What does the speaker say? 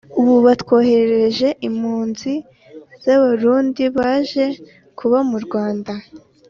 Ubu batwoherereje impunzi z’abarundi baje kuba mu Rwanda